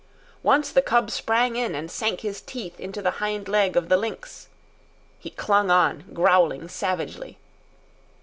Once, the cub sprang in and sank his teeth into the hind leg of the lynx. He clung on, growling savagely.